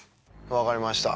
わかりました。